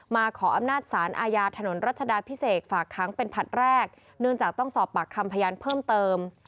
ขออำนาจสารอาญาถนนรัชดาพิเศษฝากค้างเป็นผลัดแรกเนื่องจากต้องสอบปากคำพยานเพิ่มเติม